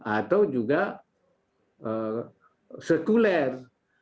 atau juga sekuler